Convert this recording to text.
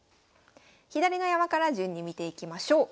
左の山から順に見ていきましょう。